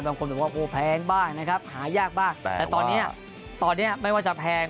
บางคนบอกว่าโอ้แพงบ้างนะครับหายากบ้างแต่ตอนนี้ตอนนี้ไม่ว่าจะแพง